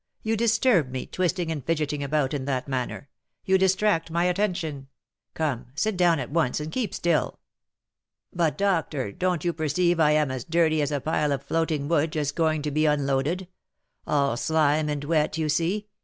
You disturb me, twisting and fidgeting about in that manner, you distract my attention. Come, sit down at once, and keep still." "But, doctor, don't you perceive I am as dirty as a pile of floating wood just going to be unloaded? all slime and wet, you see.